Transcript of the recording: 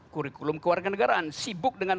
kurikulum kewarganegaraan sibuk dengan